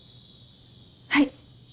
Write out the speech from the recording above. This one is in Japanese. はい。